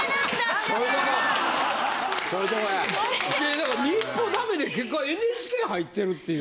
だから民放ダメで結果ＮＨＫ入ってるっていう。